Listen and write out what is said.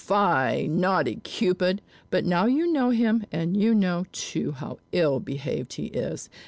Fie, naughty Cupid! But now you know him, and you know, too, how ill behaved he is!